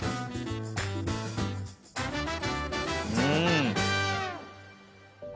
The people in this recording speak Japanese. うん。